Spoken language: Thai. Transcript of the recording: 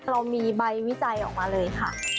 เรามีใบวิจัยออกมาเลยค่ะ